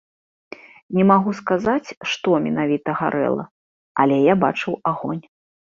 Не магу сказаць, што менавіта гарэла, але я бачыў агонь.